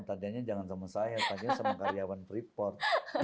tadinya jangan sama saya tanya sama karyawan freeport